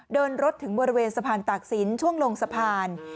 เดินรถถึงบริเวณสะพานตากศิลป์ช่วงลงสะพาน